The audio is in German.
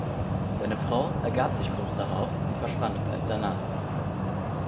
Seine Frau ergab sich kurz darauf und verschwand bald danach.